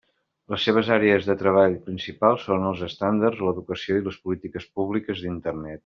Les seves àrees de treball principals són els estàndards, l'educació i les polítiques públiques d'Internet.